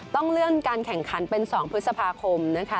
ต้องเลื่อนการแข่งขันเป็น๒พฤษภาคมนะคะ